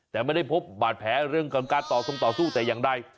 แต่ไม่ได้พบบาดแผลเรื่องกับการต่อทรงต่อสู้แต่อย่างใด